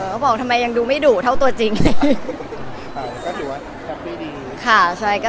เขาบอกทำไมยังดูไม่ดุเท่าตัวจริง